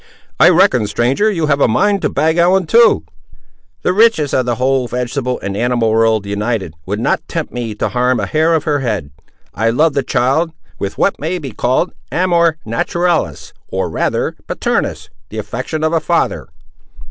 "I reckon, stranger, you have a mind to bag Ellen, too!" "The riches of the whole vegetable and animal world united, would not tempt me to harm a hair of her head! I love the child, with what may he called amor naturalis—or rather paternus—the affection of a father."